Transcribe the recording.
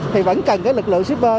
thì vẫn cần cái lực lượng shipper